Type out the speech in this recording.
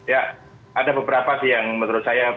ya ada beberapa sih yang menurut saya